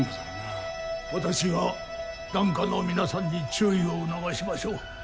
私は檀家の皆さんに注意を促しましょう。